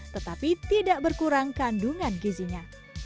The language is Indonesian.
tetapi tidak berkurang kandungan gizinya